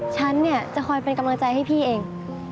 ฉันเนี่ยจะคอยเป็นกำลังใจให้พี่เอง